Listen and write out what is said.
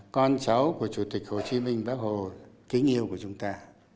con cháu của chủ tịch hồ chí minh bác hồ kính yêu của chúng ta